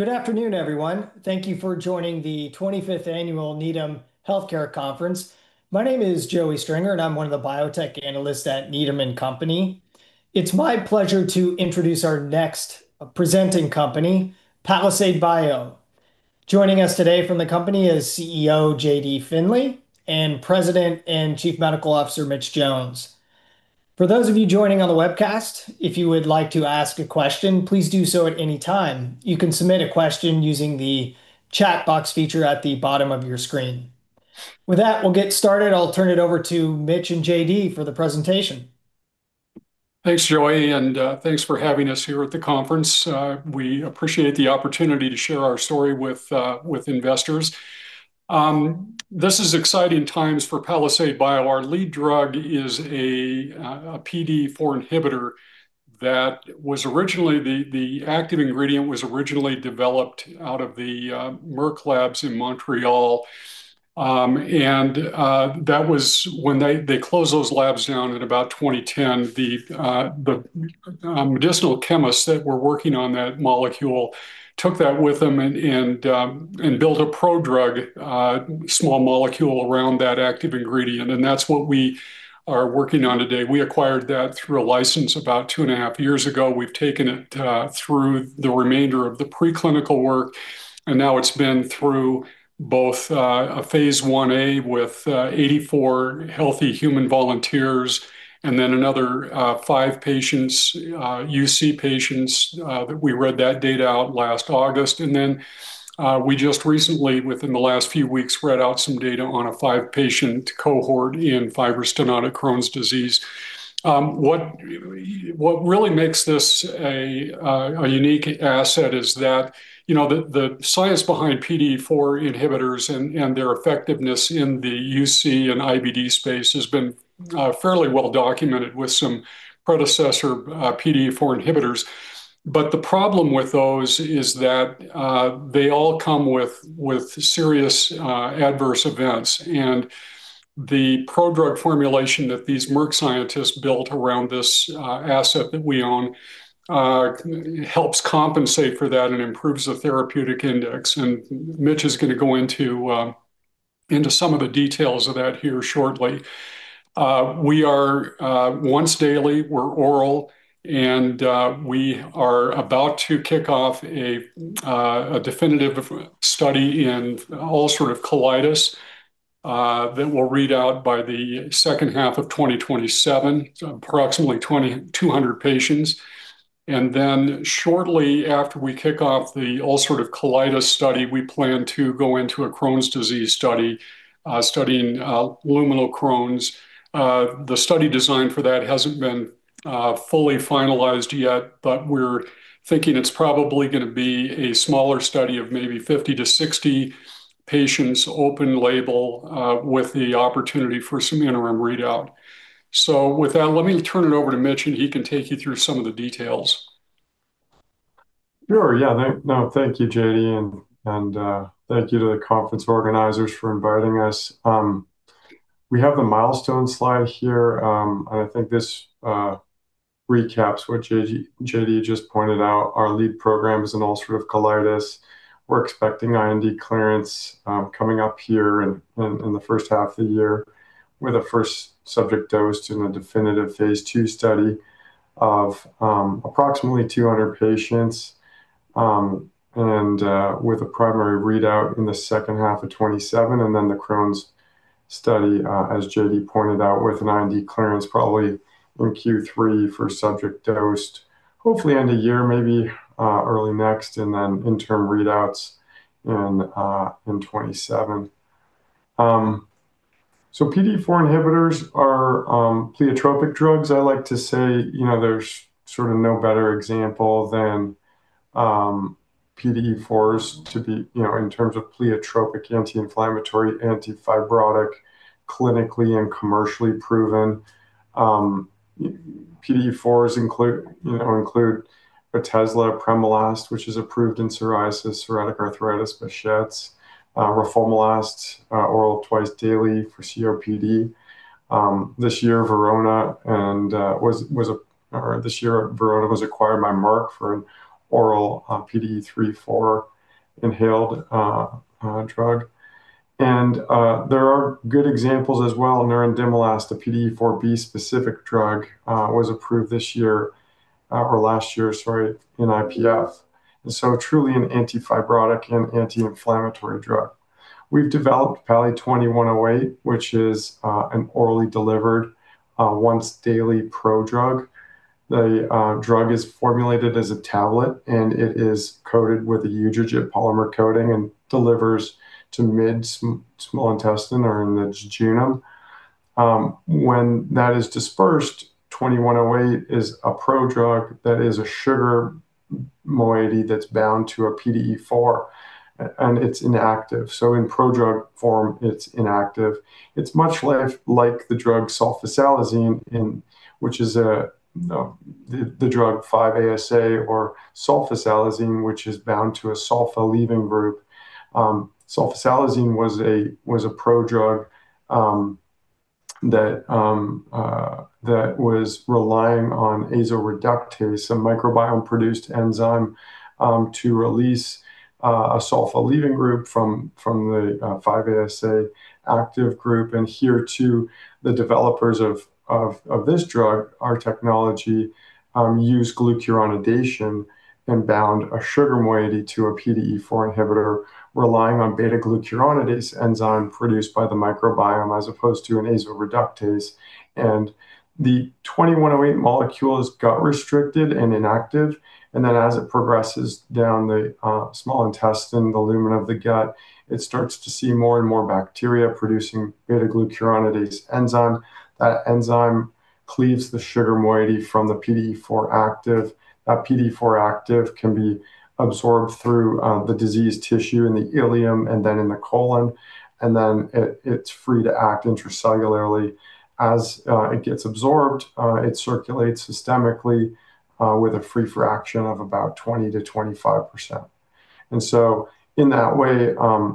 Good afternoon, everyone. Thank you for joining the 25th Annual Needham Virtual Healthcare Conference. My name is Joseph Stringer, and I'm one of the biotech analysts at Needham & Company. It's my pleasure to introduce our next presenting company, Palisade Bio. Joining us today from the company is CEO JD Finley and President and Chief Medical Officer Mitch Jones. For those of you joining on the webcast, if you would like to ask a question, please do so at any time. You can submit a question using the chat box feature at the bottom of your screen. With that, we'll get started. I'll turn it over to Mitch and JD for the presentation. Thanks, Joseph Stringer, and thanks for having us here at the conference. We appreciate the opportunity to share our story with investors. This is exciting times for Palisade Bio. Our lead drug is a PDE4 inhibitor. The active ingredient was originally developed out of the Merck labs in Montreal. When they closed those labs down in about 2010, the medicinal chemists that were working on that molecule took that with them and built a prodrug, small molecule around that active ingredient, and that's what we are working on today. We acquired that through a license about 2.5 years ago. We've taken it through the remainder of the preclinical work, and now it's been through both a phase Ia with 84 healthy human volunteers and then another five UC patients, that we read that data out last August. We just recently, within the last few weeks, read out some data on a five-patient cohort in fibrostenotic Crohn's disease. What really makes this a unique asset is that the science behind PDE4 inhibitors and their effectiveness in the UC and IBD space has been fairly well documented with some predecessor PDE4 inhibitors. The problem with those is that they all come with serious adverse events. The prodrug formulation that these Merck scientists built around this asset that we own helps compensate for that and improves the therapeutic index. Mitch is going to go into some of the details of that here shortly. We are once-daily, we're oral, and we are about to kick off a definitive study in Ulcerative colitis that we'll read out by the second half of 2027, approximately 200 patients. Shortly after we kick off the Ulcerative colitis study, we plan to go into a Crohn's disease study studying luminal Crohn's. The study design for that hasn't been fully finalized yet, but we're thinking it's probably going to be a smaller study of maybe 50 patients-60 patients, open label, with the opportunity for some interim readout. With that, let me turn it over to Mitch, and he can take you through some of the details. Sure. Yeah. No, thank you, JD, and thank you to the conference organizers for inviting us. We have the milestone slide here, and I think this recaps what JD just pointed out. Our lead program is in Ulcerative colitis. We're expecting IND clearance coming up here in the first half of the year with a first subject dosed in a definitive phase II study of approximately 200 patients, and with a primary readout in the second half of 2027, and then the Crohn's study, as JD pointed out, with an IND clearance probably in Q3 for subject dosed, hopefully end of year, maybe early next, and then interim readouts in 2027. PDE4 inhibitors are pleiotropic drugs. I like to say there's no better example than PDE4s in terms of pleiotropic, anti-inflammatory, anti-fibrotic, clinically and commercially proven. PDE4s include Otezla, apremilast, which is approved in psoriasis, psoriatic arthritis, Behçet's. roflumilast, oral twice daily for COPD. This year, Verona was acquired by Merck for a PDE3/4 inhaled drug. There are good examples as well. Nerandomilast, a PDE4B specific drug, was approved this year, or last year, sorry, in IPF, and so truly an anti-fibrotic and anti-inflammatory drug. We've developed PALI-2108, which is an orally delivered, once-daily prodrug. The drug is formulated as a tablet, and it is coated with an enteric polymer coating and delivers to mid-small intestine or in the jejunum. When that is dispersed, 2108 is a prodrug that is a sugar moiety that's bound to a PDE4, and it's inactive. In prodrug form, it's inactive. It's much like the drug sulfasalazine, which is the drug 5-ASA, or sulfasalazine, which is bound to a sulfa-leaving group. Sulfasalazine was a prodrug that was relying on azoreductase, a microbiome-produced enzyme, to release a sulfa leaving group from the 5-ASA active group. Here, too, the developers of this drug, our technology used glucuronidation and bound a sugar moiety to a PDE4 inhibitor, relying on beta-glucuronidase, enzyme produced by the microbiome as opposed to an azoreductase. The 2108 molecules got restricted and inactive, and then as it progresses down the small intestine, the lumen of the gut, it starts to see more and more bacteria producing beta-glucuronidase enzyme. That enzyme cleaves the sugar moiety from the PDE4 active. That PDE4 active can be absorbed through the diseased tissue in the ileum and then in the colon, and then it's free to act intracellularly. As it gets absorbed, it circulates systemically with a free fraction of about 20%-25%. In that way,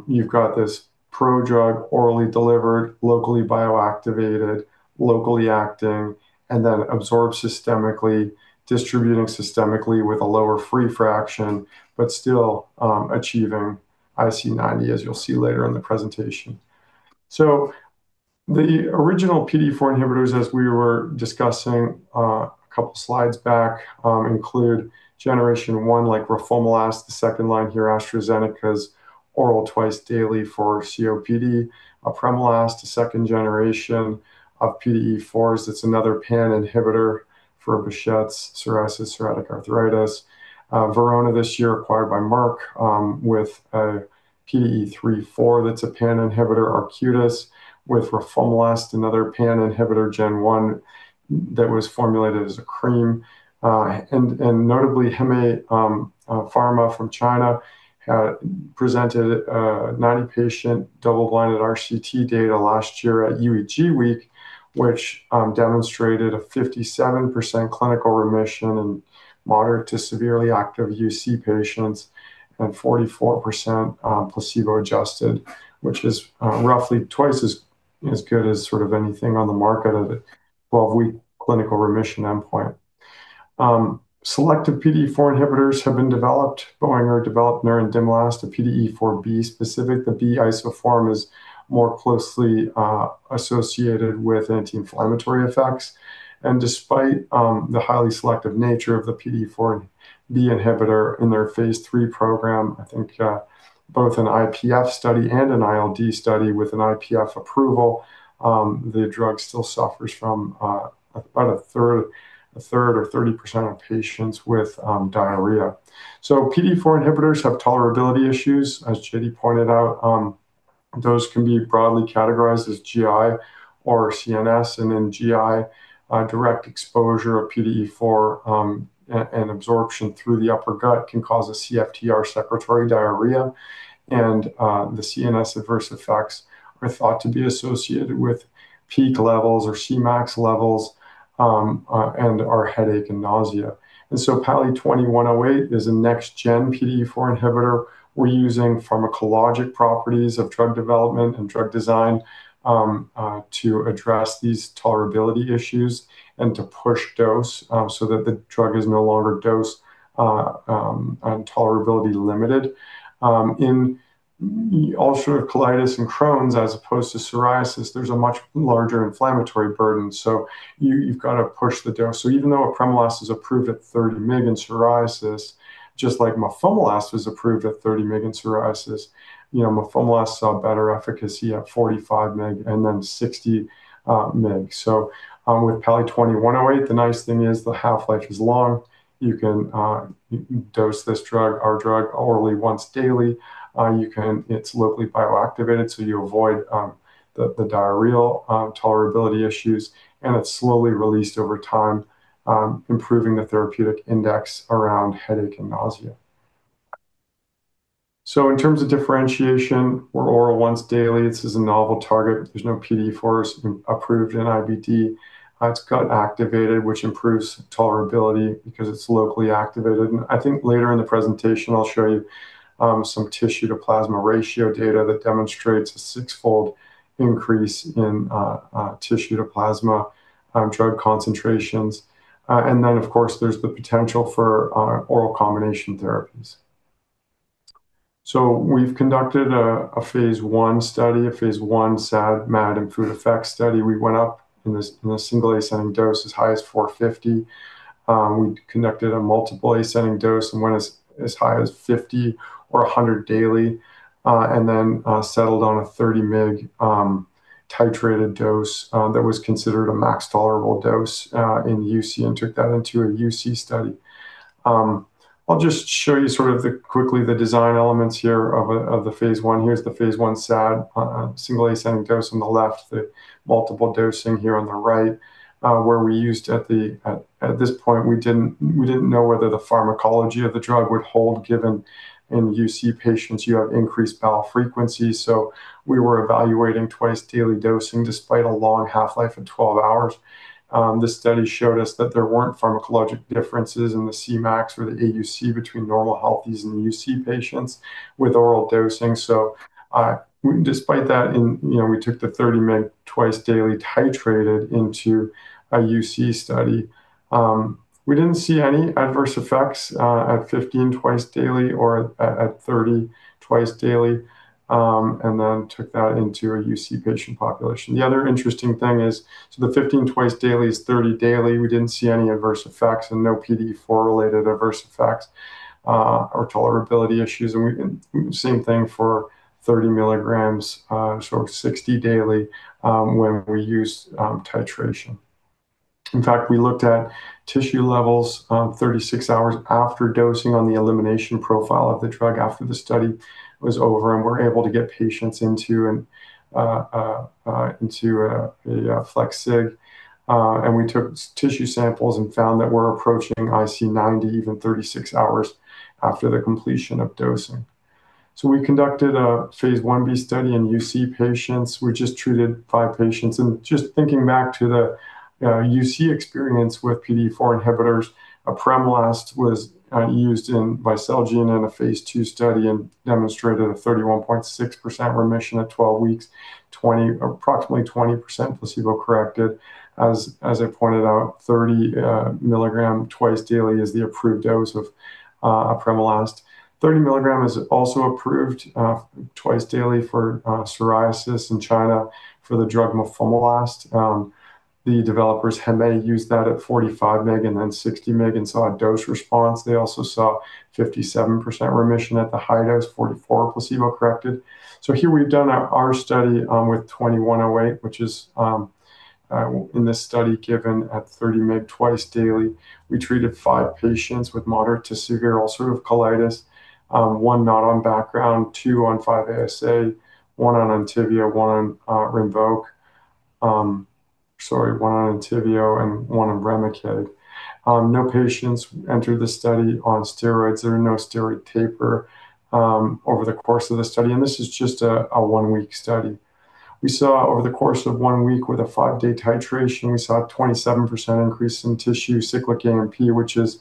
you've got this prodrug orally delivered, locally bioactivated, locally acting, and then absorbed systemically, distributing systemically with a lower free fraction, but still achieving IC90, as you'll see later in the presentation. The original PDE4 inhibitors, as we were discussing a couple of slides back, include generation one, like roflumilast, the second line here, AstraZeneca's oral twice daily for COPD, apremilast, a second generation of PDE4s. That's another pan inhibitor for Behcet's, psoriasis, psoriatic arthritis. Verona this year acquired by Merck with a PDE3/4, that's a pan inhibitor. Arcutis with roflumilast, another pan inhibitor, gen one, that was formulated as a cream. Notably, Jiangsu Hengrui Pharmaceuticals from China presented a 90-patient double-blinded RCT data last year at UEG Week, which demonstrated a 57% clinical remission in moderate to severely active UC patients and 44% placebo-adjusted, which is roughly twice as good as sort of anything on the market of a 12-week clinical remission endpoint. Selective PDE4 inhibitors have been developed. Boehringer Ingelheim developed nerandomilast, a PDE4B specific. The B isoform is more closely associated with anti-inflammatory effects. Despite the highly selective nature of the PDE4B inhibitor in their phase III program, I think both an IPF study and an ILD study with an IPF approval, the drug still suffers from about a third or 30% of patients with diarrhea. PDE4 inhibitors have tolerability issues. As JD pointed out, those can be broadly categorized as GI or CNS, and then GI direct exposure of PDE4 and absorption through the upper gut can cause a CFTR secretory diarrhea. The CNS adverse effects are thought to be associated with peak levels or Cmax levels and are headache and nausea. PALI-2108 is a next gen PDE4 inhibitor. We're using pharmacologic properties of drug development and drug design to address these tolerability issues and to push dose so that the drug is no longer dose-limited by tolerability. In Ulcerative colitis and Crohn's as opposed to psoriasis, there's a much larger inflammatory burden. You've got to push the dose. Even though apremilast is approved at 30 mg in psoriasis, just like mafimilast was approved at 30 mg in psoriasis, mafimilast saw better efficacy at 45 mg and then 60 mg. With PALI-2108, the nice thing is the half-life is long. You can dose this drug, our drug, orally once daily. It's locally bioactivated, so you avoid the diarrheal tolerability issues, and it's slowly released over time, improving the therapeutic index around headache and nausea. In terms of differentiation, we're oral once daily. This is a novel target. There's no PDE4s approved in IBD. It's gut activated, which improves tolerability because it's locally activated. I think later in the presentation, I'll show you some tissue to plasma ratio data that demonstrates a six-fold increase in tissue to plasma drug concentrations. Of course, there's the potential for oral combination therapies. We've conducted a phase I study, a phase I SAD, MAD and Food Effects study. We went up in a single ascending dose as high as 450 mg. We conducted a multiple ascending dose and went as high as 50 mg or 100 mg daily, and then settled on a 30 mg titrated dose that was considered a max tolerable dose in UC and took that into a UC study. I'll just show you sort of quickly the design elements here of the phase I. Here's the phase I SAD, single ascending dose on the left, the multiple dosing here on the right, where we used at this point, we didn't know whether the pharmacology of the drug would hold given in UC patients, you have increased bowel frequency. We were evaluating twice-daily dosing despite a long half-life of 12 hours. The study showed us that there weren't pharmacologic differences in the Cmax or the AUC between normal healthies and UC patients with oral dosing. Despite that, we took the 30 mg twice daily titrated into a UC study. We didn't see any adverse effects at 15 mg twice daily or at 30 mg twice daily, and then took that into a UC patient population. The other interesting thing is. The 15 mg twice daily is 30 mg daily. We didn't see any adverse effects and no PDE4-related adverse effects or tolerability issues. Same thing for 30 mg, so 60 mg daily, when we used titration. In fact, we looked at tissue levels 36 hours after dosing on the elimination profile of the drug after the study was over, and we're able to get patients into a flex sig. We took tissue samples and found that we're approaching IC90 even 36 hours after the completion of dosing. We conducted a phase Ib study in UC patients. We just treated five patients. Just thinking back to the UC experience with PDE4 inhibitors, apremilast was used in by Celgene in a phase II study and demonstrated a 31.6% remission at 12 weeks, approximately 20% placebo-corrected. As I pointed out, 30 mg twice daily is the approved dose of apremilast. 30 mg is also approved twice daily for psoriasis in China for the drug mafimilast. The developers have used that at 45 mg and then 60 mg and saw a dose response. They also saw 57% remission at the high dose, 44% placebo-corrected. Here we've done our study with 2108, which is in this study given at 30 mg twice daily. We treated five patients with moderate to severe Ulcerative colitis. One not on background, two on 5-ASA, one on Entyvio and one on Remicade. No patients entered the study on steroids. There were no steroid taper over the course of the study, and this is just a one-week study. We saw over the course of one week with a five-day titration, we saw a 27% increase in tissue cyclic AMP, which is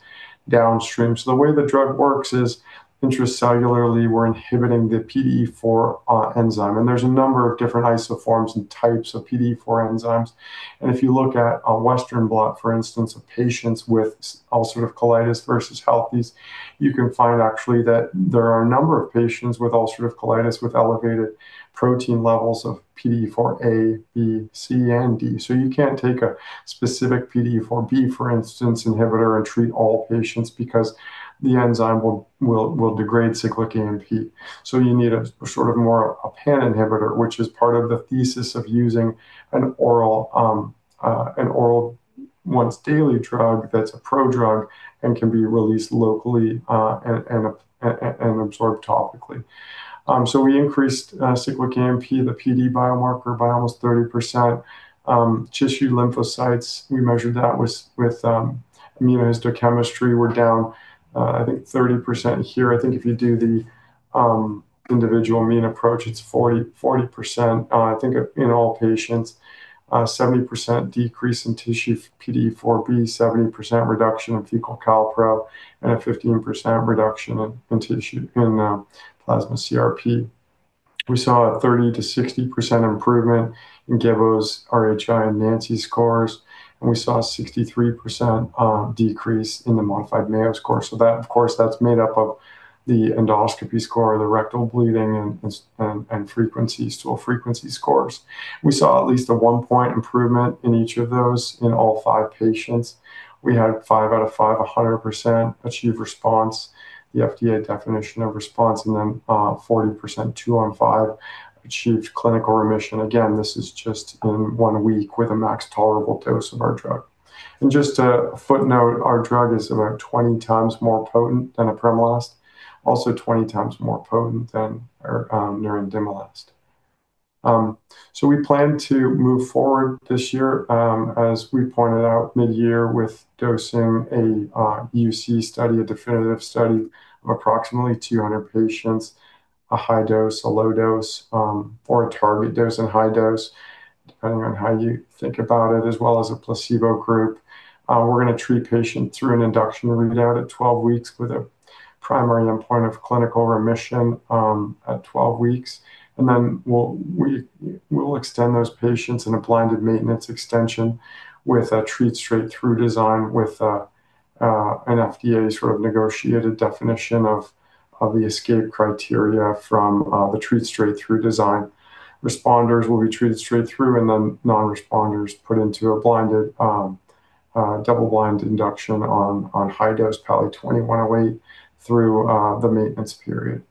downstream. The way the drug works is intracellularly, we're inhibiting the PDE4 enzyme, and there's a number of different isoforms and types of PDE4 enzymes. If you look at a western blot, for instance, of patients with Ulcerative colitis versus healthies, you can find actually that there are a number of patients with Ulcerative colitis with elevated protein levels of PDE4A, B, C, and D. You can't take a specific PDE4B, for instance, inhibitor and treat all patients because the enzyme will degrade cyclic AMP. You need a sort of more a pan inhibitor, which is part of the thesis of using an oral once daily drug that's a prodrug and can be released locally and absorbed topically. We increased cyclic AMP, the PDE biomarker, by almost 30%. Tissue lymphocytes, we measured that with immunohistochemistry, were down, I think 30% here. I think if you do the individual mean approach, it's 40%, I think, in all patients. 70% decrease in tissue PDE4B, 70% reduction in fecal calprotectin, and a 15% reduction in plasma CRP. We saw a 30%-60% improvement in Geboes, RHI, and Nancy scores, and we saw a 63% decrease in the modified Mayo score. That, of course, that's made up of the endoscopy score, the rectal bleeding, and stool frequency scores. We saw at least a one-point improvement in each of those in all five patients. We had five out of five, 100% achieved response, the FDA definition of response, and then 40%, two out of five, achieved clinical remission. Again, this is just in one week with a max tolerable dose of our drug. Just a footnote, our drug is about 20x more potent than apremilast. Also 20x more potent than nerandomilast. We plan to move forward this year, as we pointed out, midyear with dosing a UC study, a definitive study of approximately 200 patients. A high dose, a low dose, or a target dose and high dose, depending on how you think about it, as well as a placebo group. We're going to treat patients through an induction, and we're going to go out at 12 weeks with a primary endpoint of clinical remission at 12 weeks. We'll extend those patients in a blinded maintenance extension with a treat straight through design with an FDA sort of negotiated definition of the escape criteria from the treat straight through design. Responders will be treated straight through and then non-responders put into a double-blind induction on high dose, probably 2108 through the maintenance period.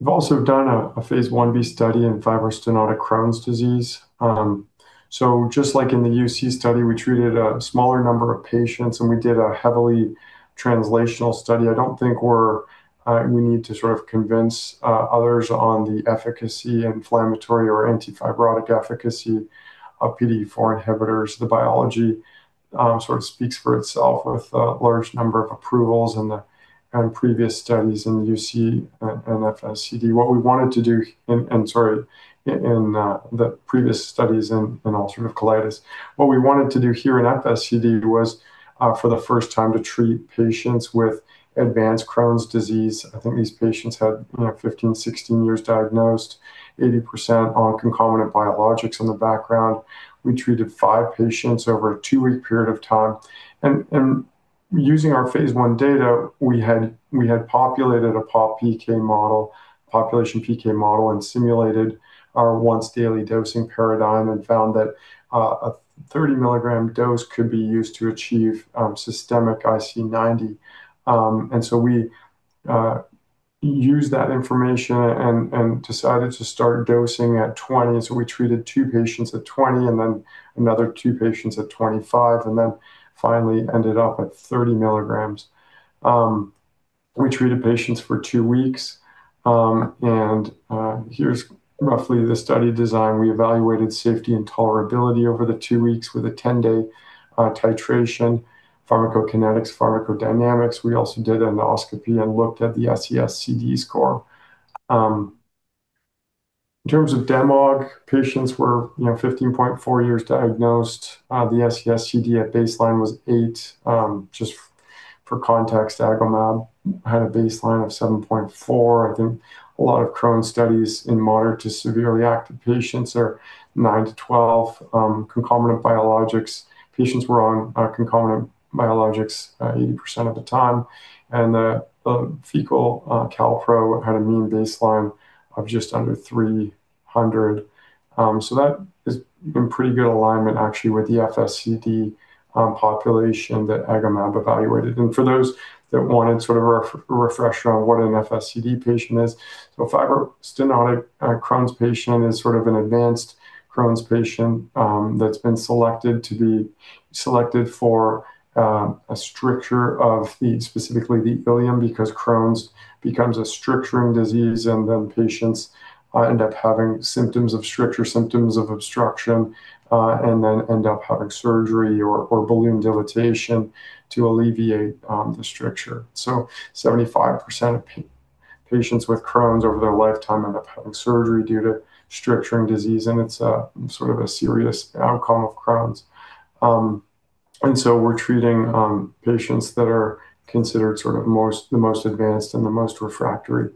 We've also done a phase Ib study in fibrostenotic Crohn's disease. Just like in the UC study, we treated a smaller number of patients, and we did a heavily translational study. I don't think we need to sort of convince others on the efficacy, inflammatory or antifibrotic efficacy of PDE4 inhibitors. The biology sort of speaks for itself with a large number of approvals in the previous studies in the UC and FSD. What we wanted to do, and sorry, in the previous studies in Ulcerative colitis. What we wanted to do here in FSD was for the first time to treat patients with advanced Crohn's disease. I think these patients had 15 years-16 years diagnosed, 80% on concomitant biologics in the background. We treated five patients over a two-week period of time, using our phase I data. We had populated a PopPK model and simulated our once daily dosing paradigm and found that a 30 mg dose could be used to achieve systemic IC90. We used that information and decided to start dosing at 20 mg. We treated two patients at 20 mg and then another two patients at 25 mg, and then finally ended up at 30 mg. We treated patients for two weeks. Here's roughly the study design. We evaluated safety and tolerability over the two weeks with a 10-day titration, pharmacokinetics, pharmacodynamics. We also did an endoscopy and looked at the SES-CD score. In terms of demo, patients were 15.4 years diagnosed. The SES-CD at baseline was 8. Just for context, agamab had a baseline of 7.4. I think a lot of Crohn's studies in moderate to severely active patients are 9-12. Concomitant biologics, patients were on concomitant biologics 80% of the time. The fecal calpro had a mean baseline of just under 300. That is in pretty good alignment actually with the FSCD population that Agomab evaluated. For those that wanted sort of a refresher on what an FSCD patient is. A fibrostenotic Crohn's patient is sort of an advanced Crohn's patient that's been selected for a stricture of the, specifically the ileum, because Crohn's becomes a stricturing disease. Patients end up having symptoms of stricture, symptoms of obstruction, and then end up having surgery or balloon dilatation to alleviate the stricture. 75% of patients with Crohn's over their lifetime end up having surgery due to stricturing disease, and it's a sort of a serious outcome of Crohn's. We're treating patients that are considered the most advanced and the most refractory.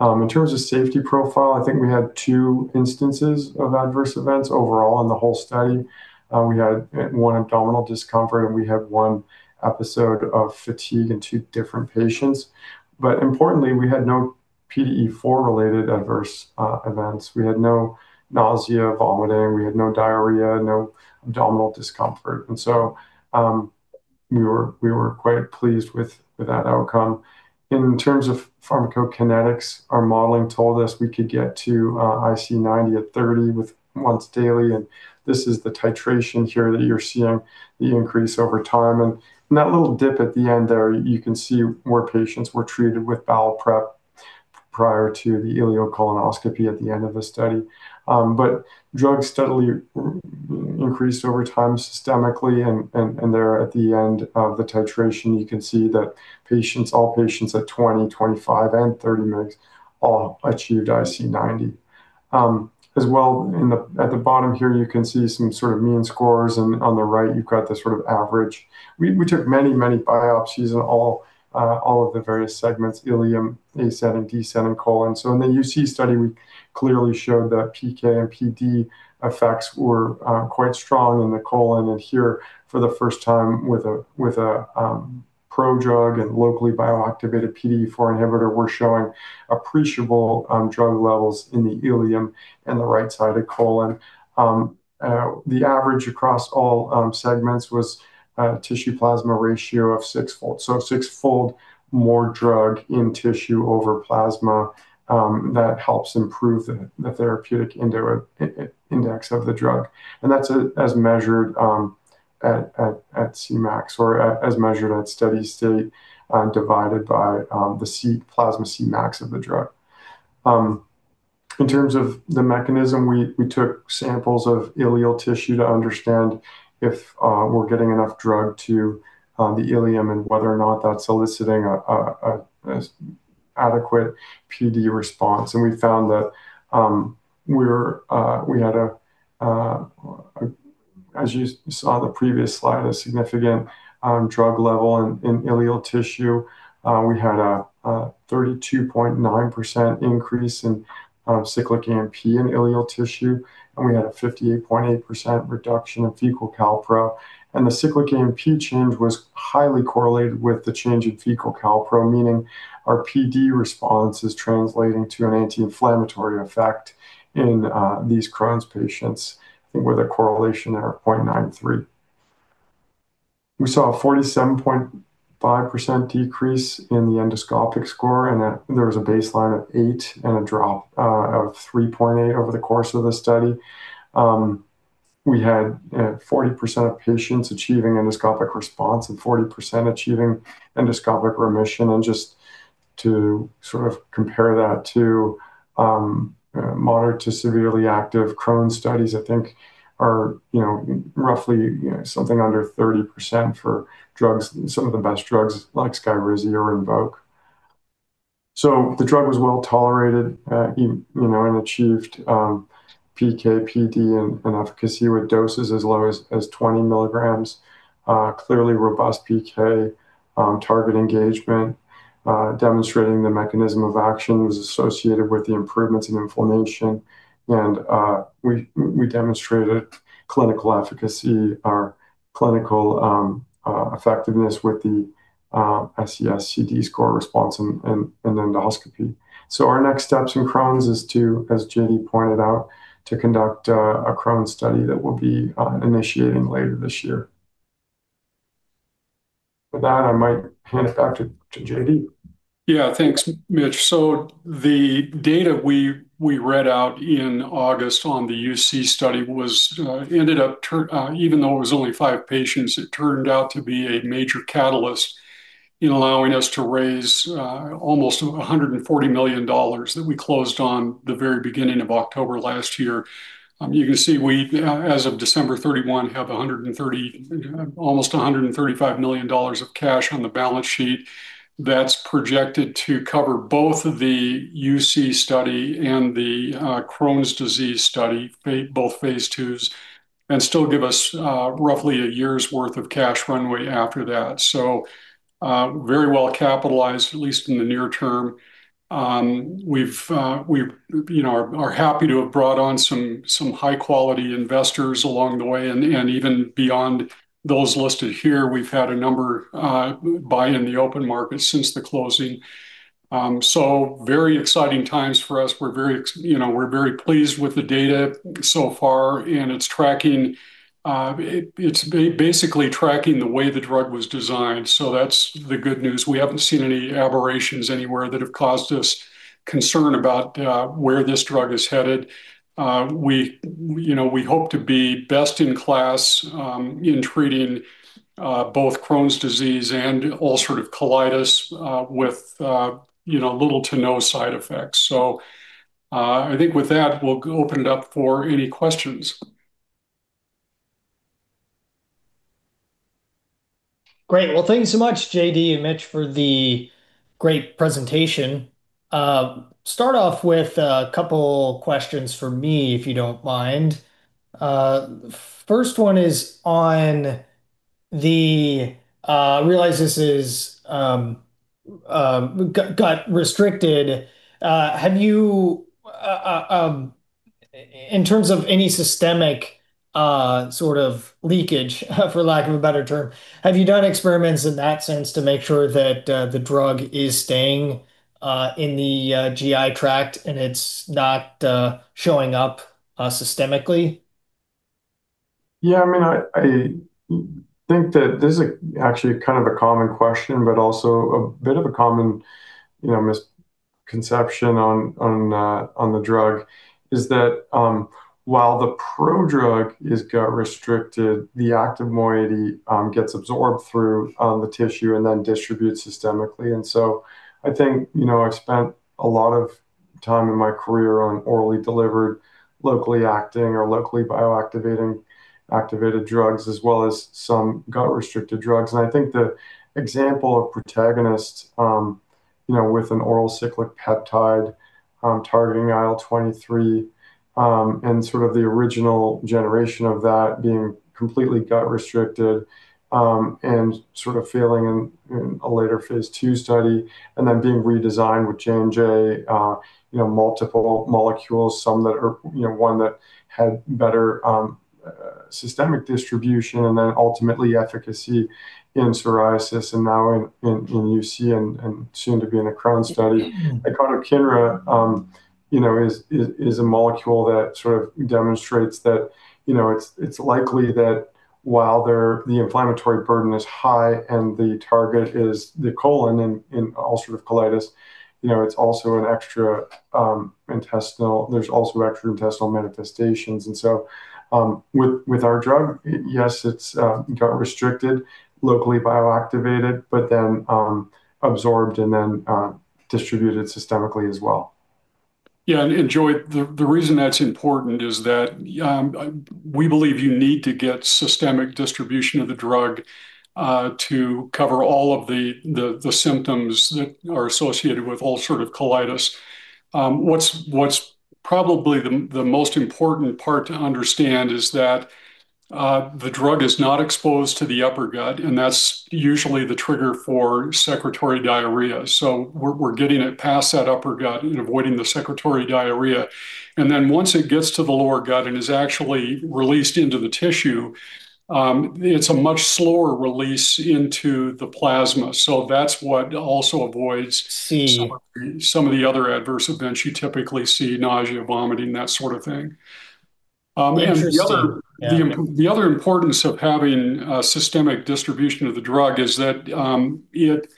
In terms of safety profile, I think we had two instances of adverse events overall in the whole study. We had one abdominal discomfort, and we had one episode of fatigue in two different patients. Importantly, we had no PDE4-related adverse events. We had no nausea, vomiting, we had no diarrhea, no abdominal discomfort. We were quite pleased with that outcome. In terms of pharmacokinetics, our modeling told us we could get to IC90 at 30 mg with once daily. This is the titration here that you're seeing the increase over time. That little dip at the end there, you can see where patients were treated with bowel prep prior to the ileocolonoscopy at the end of the study. Drugs steadily increased over time systemically. There at the end of the titration, you can see that all patients at 20 mg, 25 mg, and 30 mgs all achieved IC90. As well, at the bottom here, you can see some sort of mean scores, and on the right, you've got the sort of average. We took many, many biopsies in all of the various segments, ileum, A7, D7, and colon. In the UC study, we clearly showed that PK and PD effects were quite strong in the colon. Here, for the first time with a prodrug and locally bioactivated PDE4 inhibitor, we're showing appreciable drug levels in the ileum and the right side of the colon. The average across all segments was a tissue plasma ratio of sixfold. Sixfold more drug in tissue over plasma, that helps improve the therapeutic index of the drug. That's as measured at Cmax or as measured at steady state, divided by the plasma Cmax of the drug. In terms of the mechanism, we took samples of ileal tissue to understand if we're getting enough drug to the ileum and whether or not that's soliciting an adequate PD response. We found that we had a, as you saw the previous slide, a significant drug level in ileal tissue. We had a 32.9% increase in cyclic AMP in ileal tissue, and we had a 58.8% reduction of fecal calpro. The cyclic AMP change was highly correlated with the change in fecal calpro, meaning our PD response is translating to an anti-inflammatory effect in these Crohn's patients with a correlation of 0.93. We saw a 47.5% decrease in the endoscopic score, and there was a baseline of eight and a drop of 3.8 over the course of the study. We had 40% of patients achieving endoscopic response and 40% achieving endoscopic remission. Just to sort of compare that to moderate to severely active Crohn's studies, I think are roughly something under 30% for some of the best drugs like SKYRIZI or Rinvoq. The drug was well-tolerated and achieved PK, PD, and efficacy with doses as low as 20 mg. Clearly robust PK target engagement demonstrating the mechanism of action was associated with the improvements in inflammation. We demonstrated clinical efficacy or clinical effectiveness with the SES-CD score response in endoscopy. Our next steps in Crohn's is to, as JD pointed out, conduct a Crohn's study that we'll be initiating later this year. With that, I might hand it back to JD. Thanks, Mitch. The data we read out in August on the UC study, even though it was only five patients, it turned out to be a major catalyst in allowing us to raise almost $140 million that we closed on the very beginning of October last year. You can see we, as of December 31, have almost $135 million of cash on the balance sheet. That's projected to cover both the UC study and the Crohn's disease study, both phase IIs, and still give us roughly a year's worth of cash runway after that. Very well capitalized, at least in the near term. We are happy to have brought on some high-quality investors along the way, and even beyond those listed here, we've had a number buy in the open market since the closing. Very exciting times for us. We're very pleased with the data so far, and it's basically tracking the way the drug was designed. That's the good news. We haven't seen any aberrations anywhere that have caused us concern about where this drug is headed. We hope to be best in class in treating both Crohn's disease and Ulcerative colitis with little to no side effects. I think with that, we'll open it up for any questions. Great. Thanks so much, JD and Mitch, for the great presentation. Start off with a couple questions from me, if you don't mind. First one is on the, I realize this got restricted. In terms of any systemic sort of leakage, for lack of a better term, have you done experiments in that sense to make sure that the drug is staying in the GI tract, and it's not showing up systemically? I think that this is actually kind of a common question, but also a bit of a common misconception on the drug, is that while the prodrug is gut restricted, the active moiety gets absorbed through the tissue and then distributes systemically. I think I've spent a lot of time in my career on orally delivered, locally acting, or locally bioactivating activated drugs, as well as some gut-restricted drugs. I think the example of Protagonist, with an oral cyclic peptide targeting IL-23, and sort of the original generation of that being completely gut restricted, and sort of failing in a later phase II study, and then being redesigned with J&J, multiple molecules, one that had better systemic distribution and then ultimately efficacy in psoriasis and now in UC and soon to be in a Crohn's study. Icotrokinra is a molecule that sort of demonstrates that it's likely that while the inflammatory burden is high and the target is the colon in Ulcerative colitis, there's also extraintestinal manifestations. With our drug, yes, it's gut restricted, locally bioactivated, but then absorbed and then distributed systemically as well. Yeah, Joseph Stringer, the reason that's important is that we believe you need to get systemic distribution of the drug to cover all of the symptoms that are associated with Ulcerative colitis. What's probably the most important part to understand is that the drug is not exposed to the upper gut, and that's usually the trigger for secretory diarrhea. We're getting it past that upper gut and avoiding the secretory diarrhea. Once it gets to the lower gut and is actually released into the tissue, it's a much slower release into the plasma. That's what also avoids some of the other adverse events you typically see, nausea, vomiting, that sort of thing. Interesting. Yeah. The other importance of having systemic distribution of the drug is that it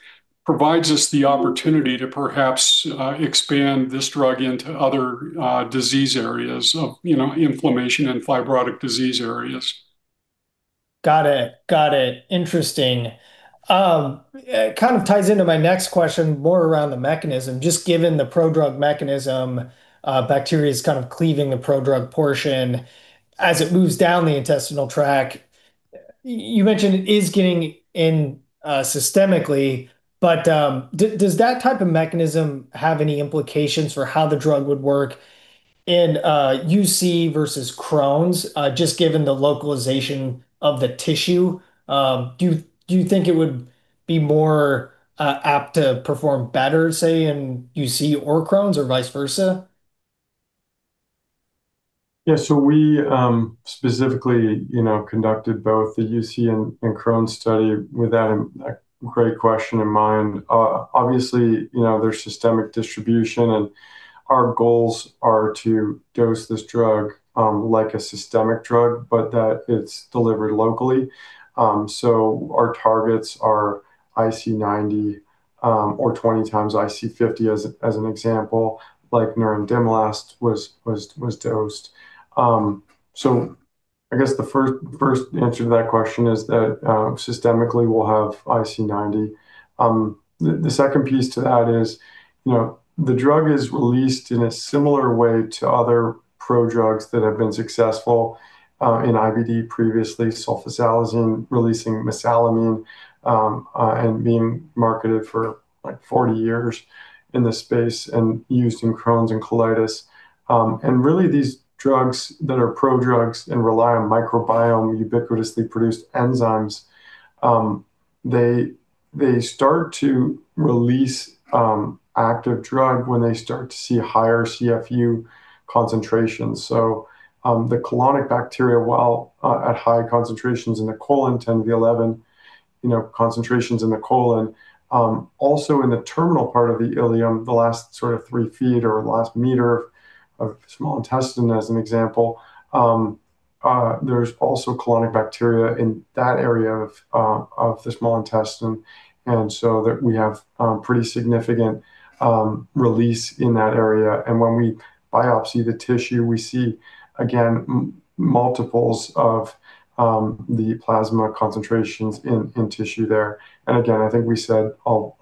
provides us the opportunity to perhaps expand this drug into other disease areas of inflammation and fibrotic disease areas. Got it. Interesting. It kind of ties into my next question, more around the mechanism. Just given the prodrug mechanism, bacteria is kind of cleaving the prodrug portion as it moves down the intestinal tract. You mentioned it is getting in systemically, but does that type of mechanism have any implications for how the drug would work in UC versus Crohn's, just given the localization of the tissue? Do you think it would be more apt to perform better, say, in UC or Crohn's or vice versa? Yeah. We specifically conducted both the UC and Crohn's study with that great question in mind. Obviously, there's systemic distribution, and our goals are to dose this drug like a systemic drug, but that it's delivered locally. Our targets are IC90 or 20x IC50 as an example, like nerandomilast was dosed. I guess the first answer to that question is that systemically we'll have IC90. The second piece to that is the drug is released in a similar way to other prodrugs that have been successful in IBD previously, sulfasalazine releasing mesalamine, and being marketed for 40 years in this space, and used in Crohn's and colitis. Really, these drugs that are prodrugs and rely on microbiome ubiquitously produce enzymes. They start to release active drug when they start to see higher CFU concentrations. The colonic bacteria, while at high concentrations in the colon, 10^11 concentrations in the colon. Also in the terminal part of the ileum, the last three feet or last meter of the small intestine, as an example. There's also colonic bacteria in that area of the small intestine, and so we have pretty significant release in that area. When we biopsy the tissue, we see, again, multiples of the plasma concentrations in tissue there. Again, I think we said all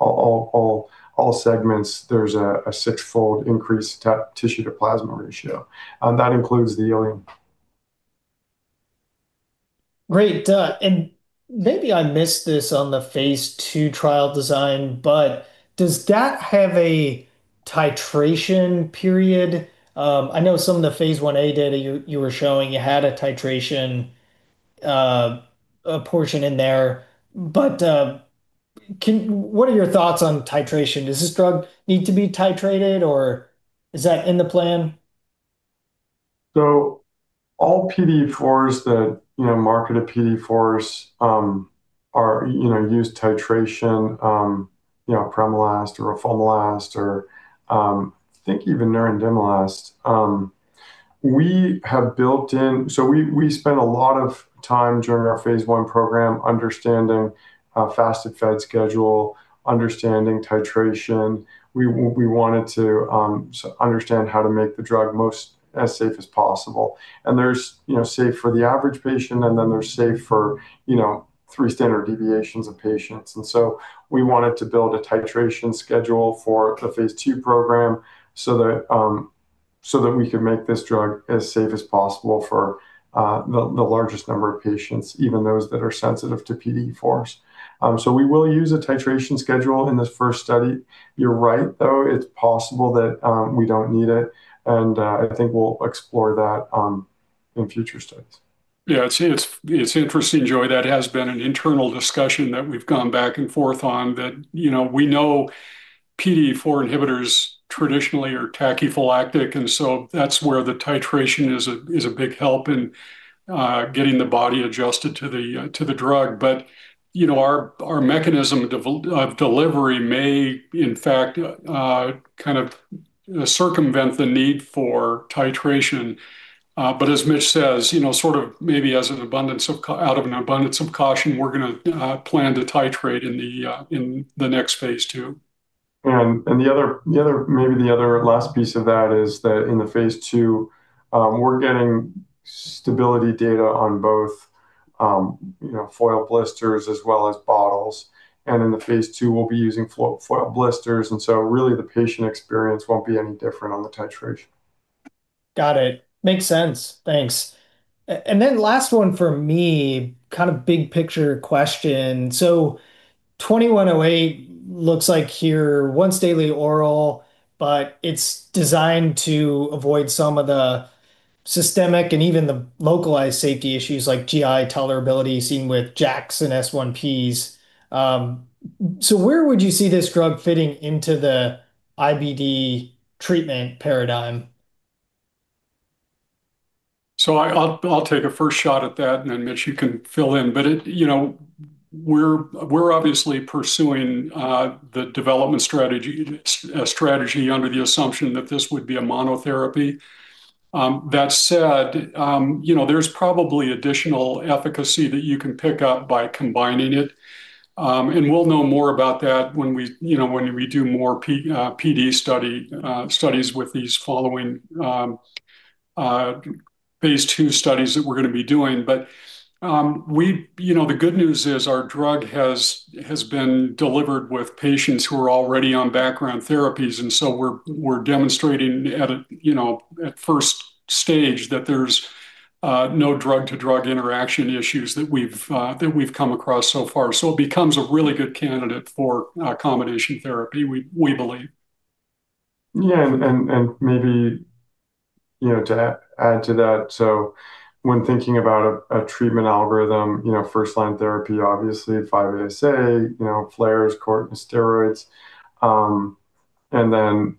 segments, there's a sixfold increased tissue to plasma ratio. That includes the ileum. Great. Maybe I missed this on the phase II trial design, but does that have a titration period? I know some of the phase I-A data you were showing had a titration portion in there. What are your thoughts on titration? Does this drug need to be titrated, or is that in the plan? All PDE4s that market a PDE4s use titration, apremilast or roflumilast or I think even nerandomilast. We spent a lot of time during our phase I program understanding fasted/fed schedule, understanding titration. We wanted to understand how to make the drug most as safe as possible. There's safe for the average patient, and then there's safe for three standard deviations of patients. We wanted to build a titration schedule for the phase II program so that we could make this drug as safe as possible for the largest number of patients, even those that are sensitive to PDE4s. We will use a titration schedule in this first study. You're right, though, it's possible that we don't need it, and I think we'll explore that in future studies. Yeah. It's interesting, Joseph Stringer. That has been an internal discussion that we've gone back and forth on that we know PDE4 inhibitors traditionally are tachyphylactic, and so that's where the titration is a big help in getting the body adjusted to the drug. Our mechanism of delivery may, in fact, kind of circumvent the need for titration. As Mitch says, maybe out of an abundance of caution, we're going to plan to titrate in the next phase II. Maybe the other last piece of that is that in the phase II, we're getting stability data on both foil blisters as well as bottles. In the phase II, we'll be using foil blisters, and so really the patient experience won't be any different on the titration. Got it. Makes sense. Thanks. Last one for me, kind of big picture question. PALI-2108 looks like your once daily oral, but it's designed to avoid some of the systemic and even the localized safety issues like GI tolerability seen with JAKs and S1Ps. Where would you see this drug fitting into the IBD treatment paradigm? I'll take a first shot at that, and then Mitch, you can fill in. We're obviously pursuing the development strategy under the assumption that this would be a monotherapy. That said, there's probably additional efficacy that you can pick up by combining it, and we'll know more about that when we do more PDE studies with these following phase II studies that we're going to be doing. The good news is our drug has been delivered with patients who are already on background therapies, and so we're demonstrating at first stage that there's no drug-to-drug interaction issues that we've come across so far. It becomes a really good candidate for combination therapy, we believe. Maybe to add to that, when thinking about a treatment algorithm, first-line therapy, obviously 5-ASA, flares, cort and steroids. There are the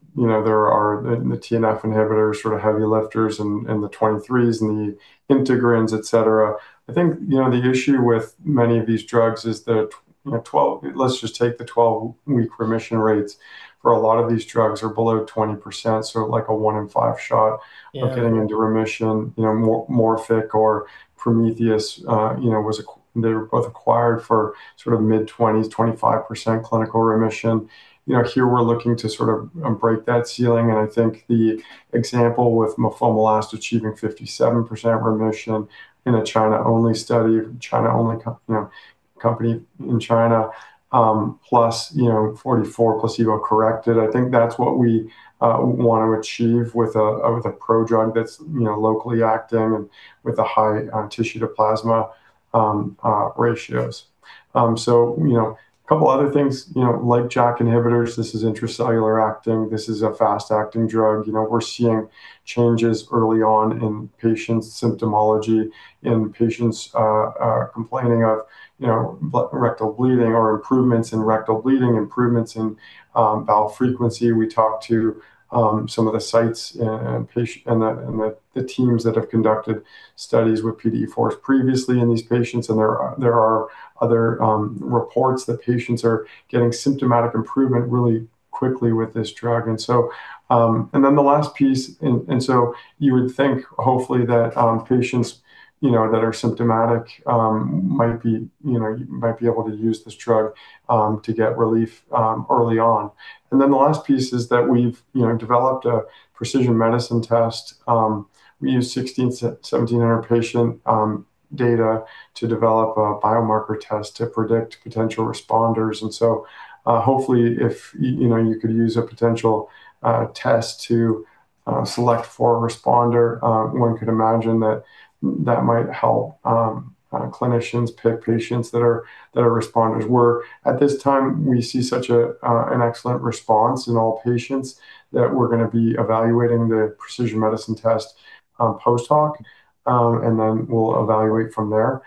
TNF inhibitors, sort of heavy lifters, and the 23s and the integrins, et cetera. I think the issue with many of these drugs is that, let's just take the 12-week remission rates for a lot of these drugs are below 20%, so like a one in five shot of getting into remission. Morphic or Prometheus, they were both acquired for mid-20s, 25% clinical remission. Here we're looking to break that ceiling, and I think the example with mafimilast achieving 57% remission in a China-only study, company in China, plus 44% placebo corrected. I think that's what we want to achieve with a prodrug that's locally acting and with a high tissue-to-plasma ratios. Couple other things. Like JAK inhibitors, this is intracellular acting. This is a fast-acting drug. We're seeing changes early on in patients' symptomatology, in patients complaining of rectal bleeding or improvements in rectal bleeding, improvements in bowel frequency. We talked to some of the sites and the teams that have conducted studies with PDE4s previously in these patients, and there are other reports that patients are getting symptomatic improvement really quickly with this drug. The last piece, and so you would think hopefully that patients that are symptomatic might be able to use this drug to get relief early on. The last piece is that we've developed a precision medicine test. We used 1,600 patient-1,700 patient data to develop a biomarker test to predict potential responders. Hopefully, if you could use a potential test to select for a responder, one could imagine that might help clinicians pick patients that are responders, where at this time, we see such an excellent response in all patients that we're going to be evaluating the precision medicine test, post-hoc, and then we'll evaluate from there.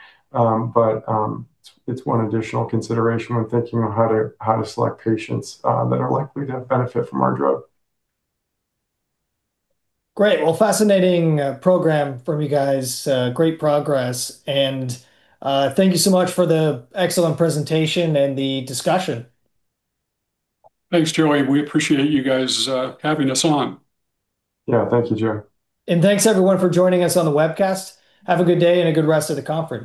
It's one additional consideration when thinking on how to select patients that are likely to benefit from our drug. Well, fascinating program from you guys. Great progress, and thank you so much for the excellent presentation and the discussion. Thanks, Joseph Stringer. We appreciate you guys having us on. Yeah. Thank you, Joseph Stringer. Thanks, everyone, for joining us on the webcast. Have a good day and a good rest of the conference.